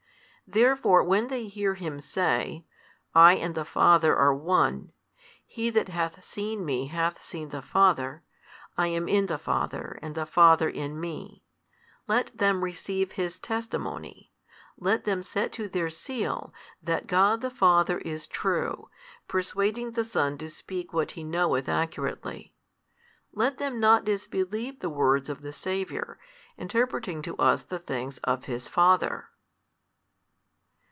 Therefore when they hear Him say, I and the Father are One; He that hath seen Me hath seen the Father; I am in the Father, and the Father in Me: let them receive His testimony, let them set to their seal, that God the Father is true, persuading the Son to speak what He knoweth accurately; let them not disbelieve the words of the Saviour, interpreting to us the things of His Father.